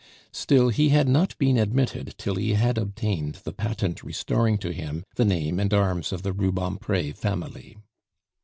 Still, he had not been admitted till he had obtained the patent restoring to him the name and arms of the Rubempre family.